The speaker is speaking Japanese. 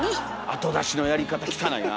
後出しのやり方汚いな！